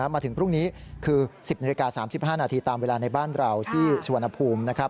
มาถึงพรุ่งนี้คือ๑๐นาฬิกา๓๕นาทีตามเวลาในบ้านเราที่สุวรรณภูมินะครับ